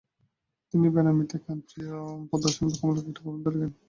তিনি বেনামীতে কান্টীয় দর্শনের ব্যাখ্যামূলক একটি প্রবন্ধ লেখেন।